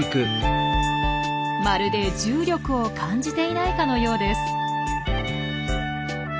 まるで重力を感じていないかのようです。